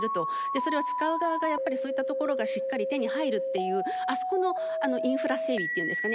それは使う側がやっぱりそういったところがしっかり手に入るっていうあそこのあのインフラ整備っていうんですかね